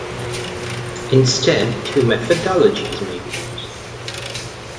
Instead, two methodologies may be used.